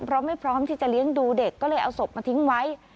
เพราะไม่พร้อมที่จะเลี้ยงดูเด็กก็เลยเอาศพมาทิ้งไว้